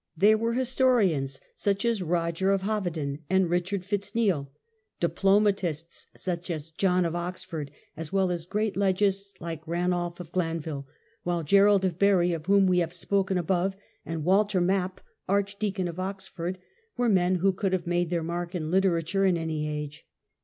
They were historians, such as Roger of Hoveden and Richard Fitz Neal, diplomatists, such as John is min ■ en. ^^ Qxford, as well as great legists, like Ranulf of Glanville; while Gerald of Barri, of whom we have spoken above, and Walter Map, Archdeacon of Oxford, were men who could have made their mark in literature in any age.